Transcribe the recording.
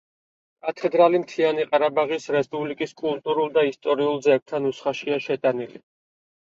კათედრალი მთიანი ყარაბაღის რესპუბლიკის კულტურულ და ისტორიულ ძეგლთა ნუსხაშია შეტანილი.